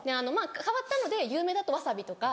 変わったので有名だとわさびとか。